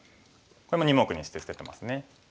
これも２目にして捨ててますね。